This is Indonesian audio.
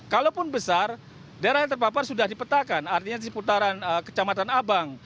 kalaupun besar daerah yang terpapar sudah dipetakan artinya di seputaran kecamatan abang